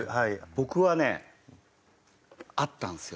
僕はねあったんですよ。